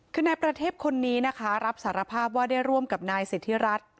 คือนายประเทพคนนี้นะคะรับสารภาพว่าได้ร่วมกับนายสิทธิรัฐ